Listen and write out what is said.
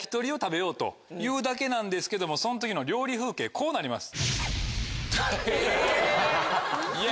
というだけなんですけどもその時の料理風景こうなります。